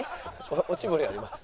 おしぼりあります？